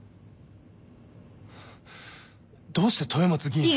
どうして豊松議員を？